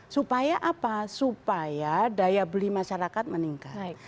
supaya apa supaya daya beli masyarakat meningkat